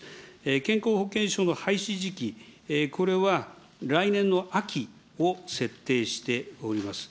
健康保険証の廃止時期、これは来年の秋を設定しております。